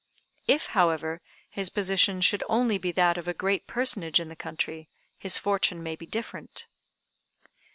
If, however, his position should only be that of a great personage in the country, his fortune may be different."